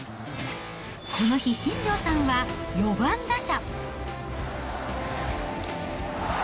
この日、新庄さんは４番打者。